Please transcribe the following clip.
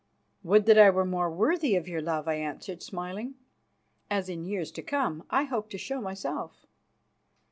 "Would that I were more worthy of your love," I answered, smiling, "as in years to come I hope to show myself."